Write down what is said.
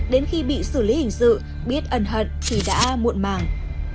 đến khi bị xử lý hình sự biết ân hận thì đã muộn màng